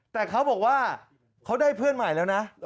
แต่เขาบอกว่าเขาได้เพื่อนใหม่แล้วนะ